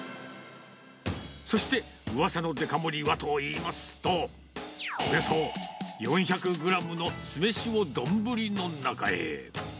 そして、うわさのデカ盛りはといいますと、およそ４００グラムの酢飯を丼の中へ。